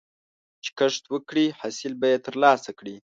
چې کښت وکړې، حاصل به یې ترلاسه کړې.